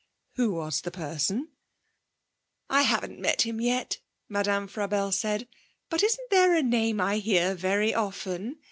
Who was the person? 'I haven't met him yet,' Madame Frabelle said; 'but isn't there a name I hear very often?